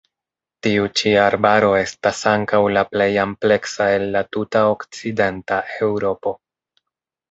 Tiu ĉi arbaro estas ankaŭ la plej ampleksa el la tuta okcidenta Eŭropo.